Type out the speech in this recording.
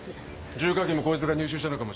銃火器もこいつが入手したのかもしれん。